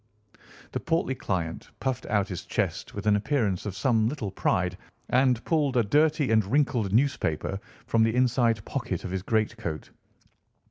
The portly client puffed out his chest with an appearance of some little pride and pulled a dirty and wrinkled newspaper from the inside pocket of his greatcoat.